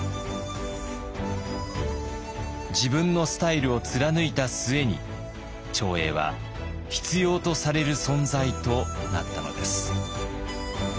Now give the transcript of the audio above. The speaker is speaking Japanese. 自分のスタイルを貫いた末に長英は必要とされる存在となったのです。